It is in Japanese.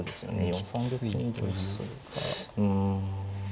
うん。